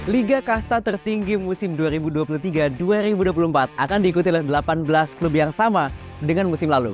liga kasta tertinggi musim dua ribu dua puluh tiga dua ribu dua puluh empat akan diikuti oleh delapan belas klub yang sama dengan musim lalu